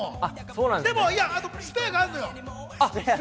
でもスペアがあるのよ！